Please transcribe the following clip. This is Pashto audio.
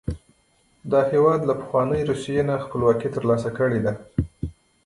دا هېواد له پخوانۍ روسیې نه خپلواکي تر لاسه کړې ده.